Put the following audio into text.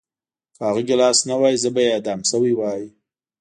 که هغه ګیلاس نه وای زه به اعدام شوی وای